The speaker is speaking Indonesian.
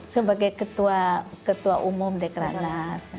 sebagai ketua umum deh karena